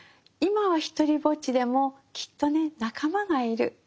今はひとりぼっちでもきっとね仲間がいる。